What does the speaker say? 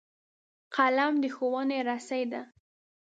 قلم د ښوونې رسۍ ده